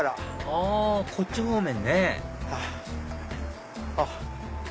あこっち方面ねあっ。